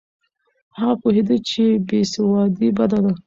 هغه پوهېده چې بې سوادي بده ده.